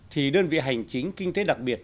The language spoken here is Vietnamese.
thì đơn vị hành chính kinh tế đặc biệt